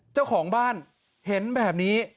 เจ้าของบ้านเห็นแบบนี้